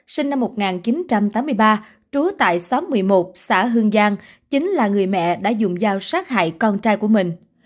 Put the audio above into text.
sinh năm một nghìn chín trăm tám mươi ba trú tại xóm một mươi một xã hương giang chính là người mẹ đã dùng dao sát hại con trai của mình